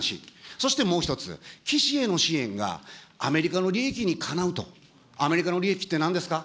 そしてもう１つ、岸への支援がアメリカの利益にかなうと、アメリカの利益ってなんですか。